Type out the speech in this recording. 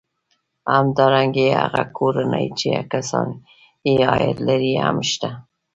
همدارنګه هغه کورنۍ چې کسان یې عاید لري هم شته